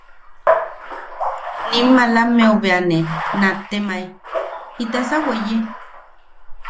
Nim malameu bea ne nattemae: –¿Jitasa weye?